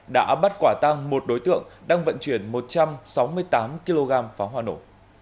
đã bắt quả tăng một đối tượng đang vận chuyển một trăm sáu mươi tám kg pháo hoa nổ